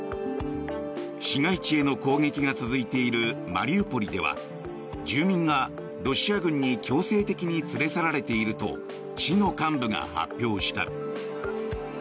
市街地への攻撃が続いているマリウポリでは住民がロシア軍に強制的に連れ去られていると市の幹部が発表した。